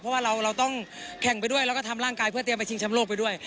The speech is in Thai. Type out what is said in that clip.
เพราะว่าเราต้องแข่งไปด้วยแล้วก็ทำร่างกายเพื่อเตรียมไปชิงชำโลกไปด้วย